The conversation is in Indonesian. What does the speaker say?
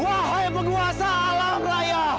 wahai penguasa alam raya